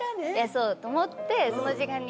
そうと思ってその時間に。